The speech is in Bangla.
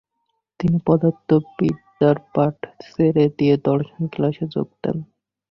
তিনি পদার্থবিদ্যার পাঠ ছেড়ে দিয়ে দর্শন ক্লাসে যোগ দেন।